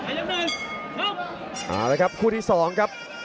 เอาละครับคู่ที่สองครับ